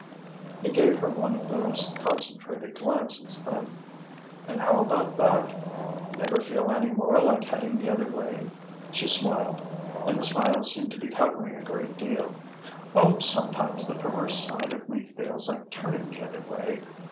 He gave her one of those concentrated glances then. "And how about that? Never feel any more like heading the other way?" She smiled, and the smile seemed to be covering a great deal. "Oh sometimes the perverse side of me feels like turning the other way.